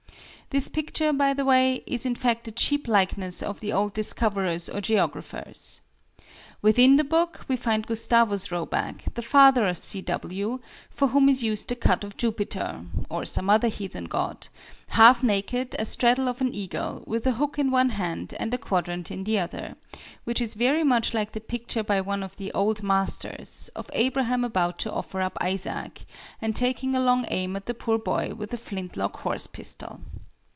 This picture, by the way, is in fact a cheap likeness of the old discoverers or geographers. Within the book we find Gustavus Roback, the father of C. W., for whom is used a cut of Jupiter or some other heathen god half naked, a straddle of an eagle, with a hook in one hand and a quadrant in the other; which is very much like the picture by one of the "Old Masters" of Abraham about to offer up Isaac, and taking a long aim at the poor boy with a flint lock horse pistol.